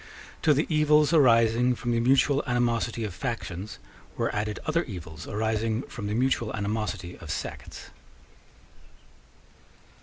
To the evils arising from the mutual animosity of factions were added other evils arising from the mutual animosity of sects.